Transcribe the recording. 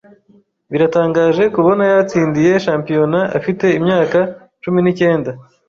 Biratangaje kubona yatsindiye championat afite imyaka cumi n'icyenda